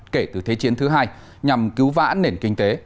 kể từ thế chiến thứ hai nhằm cứu vã nền kinh tế